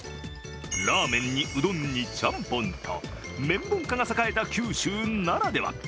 ラーメンにうどんにちゃんぽんと麺文化が栄えた九州ならでは。